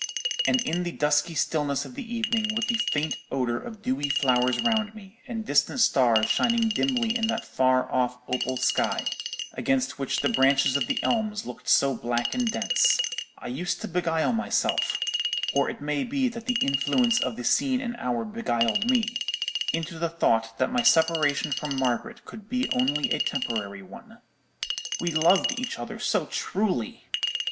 And in the dusky stillness of the evening, with the faint odour of dewy flowers round me, and distant stars shining dimly in that far off opal sky; against which the branches of the elms looked so black and dense, I used to beguile myself—or it may be that the influence of the scene and hour beguiled me—into the thought that my separation from Margaret could be only a temporary one. We loved each other so truly!